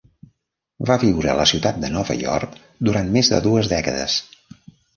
Va viure a la ciutat de Nova York durant més de dues dècades.